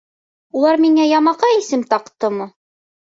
Улар миңә ямаҡай исем таҡтымы?